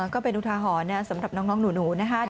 ก็เป็นอุทาหรณ์สำหรับน้องหนูนะคะ